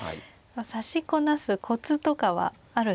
指しこなすコツとかはあるんですか。